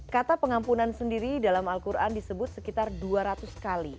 kata pengampunan sendiri dalam al quran disebut sekitar dua ratus kali